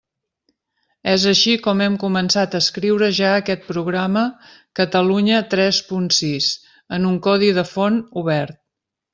És així com hem començat a escriure ja aquest programa Catalunya tres punt sis, en un codi de font obert.